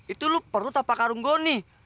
itu lu perut apa karung gua nih